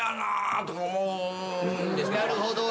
なるほど。